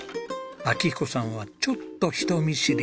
明彦さんはちょっと人見知り。